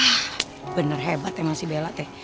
hah bener hebat ya masih bella teh